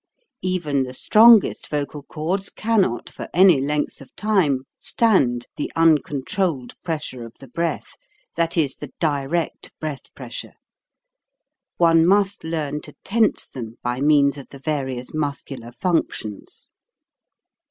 Even the strong est vocal cords cannot for any length of time stand the uncontrolled pressure of the breath that is, the direct breath pressure. One must learn to tense them by means of the various muscular functions.